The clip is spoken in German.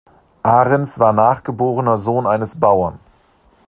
Arens war nachgeborener Sohn eines Bauern.